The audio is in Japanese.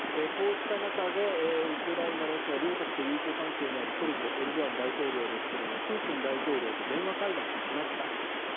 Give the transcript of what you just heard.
こうした中でウクライナ、ロシア両国と友好関係にあるトルコのエルドアン大統領ですがプーチン大統領と電話会談をしました。